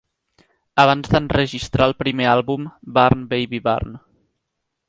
Abans d'enregistrar el primer àlbum, "Burn, Baby, Burn!"